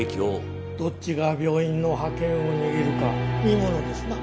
どっちが病院の覇権を握るか見ものですな。